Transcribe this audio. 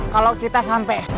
kalau kita sampai